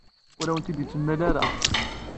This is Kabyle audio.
Ur awen-tent-id-yemla ara.